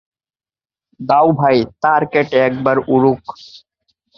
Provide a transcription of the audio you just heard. দাও ভাই, তার কেটে, একবার উড়ুক।